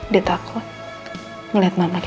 dia takut ngeliat mama kita ade